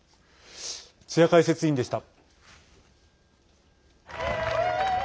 津屋解説委員でした。